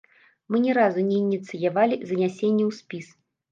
Мы ні разу не ініцыявалі занясенне ў спіс.